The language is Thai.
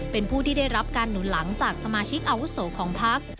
เป็นผู้ที่ได้รับการหนุนหลังจากสมาชิกอาวุโสของพัก